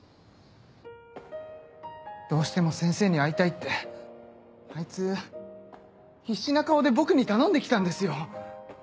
どうしても先生に会いたいってあいつ必死な顔で僕に頼んで来たんですよ。